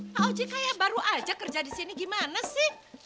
pak oji kayak baru aja kerja di sini gimana sih